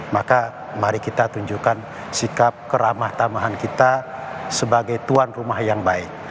maka mari kita tunjukkan sikap keramah tamahan kita sebagai tuan rumah yang baik